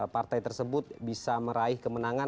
partai tersebut bisa meraih kemenangan